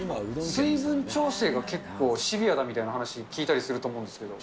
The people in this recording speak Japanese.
水分調整が結構シビアなみたいな話、聞いたりすると思うんですけど。